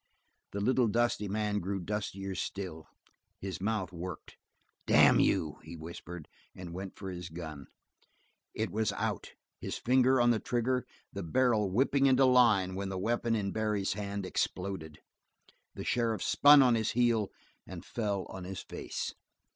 The little dusty man grew dustier still. His mouth worked. "Damn you," he whispered, and went for his gun. It was out, his finger on the trigger, the barrel whipping into line, when the weapon in Barry's hand exploded. The sheriff spun on his heel and fell on his face.